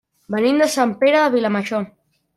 Venim de Sant Pere de Vilamajor.